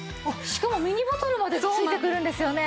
しかもミニボトルまで付いてくるんですよね？